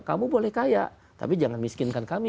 kamu boleh kaya tapi jangan miskinkan kami